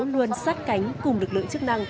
luôn sát cánh cùng lực lượng chức năng